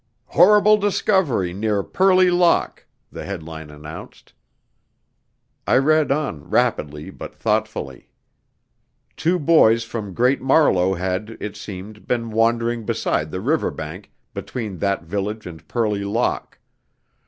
"Horrible Discovery near Purley Lock!" the headline announced. I read on, rapidly, but thoughtfully. Two boys from Great Marlow had, it seemed, been wandering beside the river bank, between that village and Purley Lock.